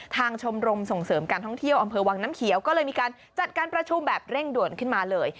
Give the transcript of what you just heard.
ชมรมส่งเสริมการท่องเที่ยวอำเภอวังน้ำเขียวก็เลยมีการจัดการประชุมแบบเร่งด่วนขึ้นมาเลย